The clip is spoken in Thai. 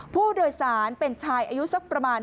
ผู้โดยสารเป็นชายอายุสักประมาณ